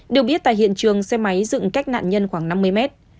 được biết tại hiện trường xe máy dựng cách nạn nhân khoảng năm mươi mét